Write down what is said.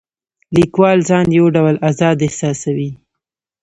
لیکوال ځان یو ډول آزاد احساسوي.